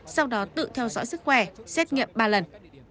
sau đó tự theo dõi sức khỏe xét nghiệm ba lần